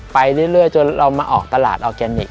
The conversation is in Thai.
ไปเรื่อยจนเรามาออกตลาดออร์แกนิค